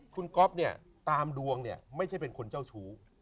คุณก๊อฟตามดวงไม่ใช่เป็นคนเจ้าชู้